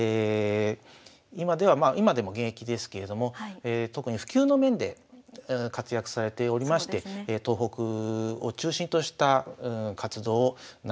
今ではまあ今でも現役ですけれども特に普及の面で活躍されておりまして東北を中心とした活動をなさってますね。